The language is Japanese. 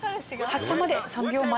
発車まで３秒前。